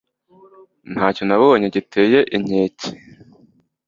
Ntacyo nabonye giteye inkeke